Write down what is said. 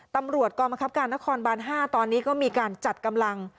ตำรวจกรมคับการนครบาน๕ตอนนี้ก็มีการจัดกำลัง